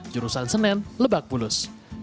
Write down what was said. jurusan senen lebak bulus